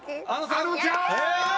あのちゃーん！